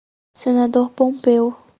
Senador Pompeu